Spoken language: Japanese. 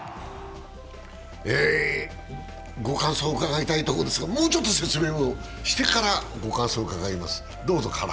ご感想伺いたいところですが、もうちょっと説明してから伺います。